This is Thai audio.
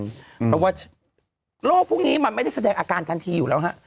เพราะว่าโรคพวกนี้มันไม่ได้แสดงอาการทันทีอยู่แล้วฮะ